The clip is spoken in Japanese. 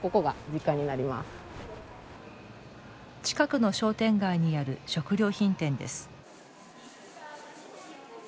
近くの商店街にある食料品店です。